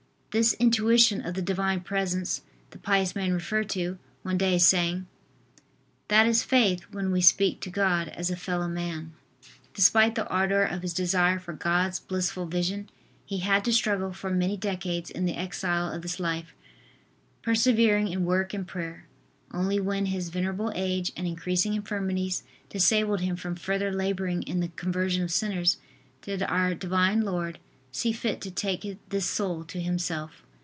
This intuition of the Divine Presence the pious man referred to, one day, saying: "That is faith when we speak to God as a fellow man!" Despite the ardor of his desire for God's blissful vision, he had to struggle for many decades in the exile of this life, persevering in work and prayer. Only when his venerable age and increasing infirmities disabled him from further laboring in the conversion of sinners, did our Divine Lord see fit to take this soul to Himself.